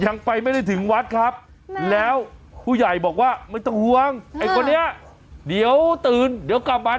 ยังไปไม่ได้ถึงวัดครับแล้วผู้ใหญ่บอกว่าไม่ต้องห่วงไอ้คนนี้เดี๋ยวตื่นเดี๋ยวกลับมา